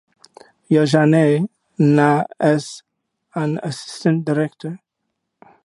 Ya Jaane Na as an assistant director.